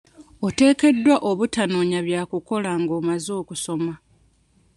Oteekeddwa obutanoonya bya kukola nga omaze okusoma.